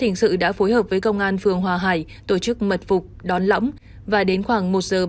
hình sự đã phối hợp với công an phường hòa hải tổ chức mật phục đón lõng và đến khoảng một giờ